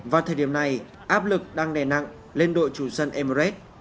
và thời điểm này áp lực đang đè nặng lên đội chủ dân emirates